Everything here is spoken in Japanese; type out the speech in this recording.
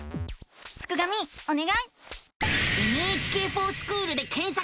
すくがミおねがい！